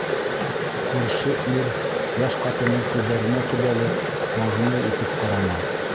Күрше ир йәш ҡатындың күҙҙәренә төбәлеп, яғымлы итеп ҡараны.